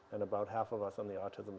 adalah hal yang terhadap